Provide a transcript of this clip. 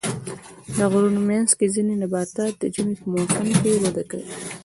د غرونو منځ کې ځینې نباتات د ژمي په موسم کې وده کوي.